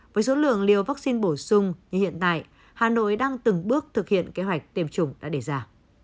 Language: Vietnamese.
với số lượng liều vaccine bổ sung như hiện tại hà nội đang từng bước thực hiện kế hoạch tiêm chủng đã đề ra